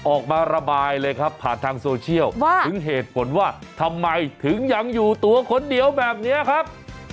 ออกมาระบายเลยครับผ่านทางโซเชียลถึงเหตุผลว่าทำไมถึงยังอยู่ตัวคนเดียวแบบนี้ครับ